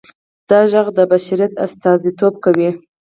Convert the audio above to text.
دا غږ د بشریت استازیتوب کوي.